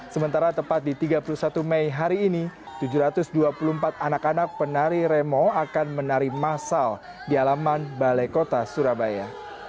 sementara tepat di tiga puluh satu mei hari ini tujuh ratus dua puluh empat anak anak penari remo akan menari masal di alaman balai kota surabaya